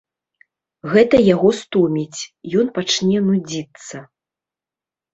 Гэта яго стоміць, ён пачне нудзіцца.